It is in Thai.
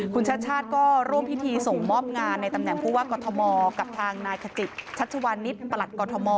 คุณชาติชาติก็ร่วมพิธีส่งมอบงานในตำแหน่งผู้ว่ากอทมกับทางนายขจิตชัชวานิษฐ์ประหลัดกรทม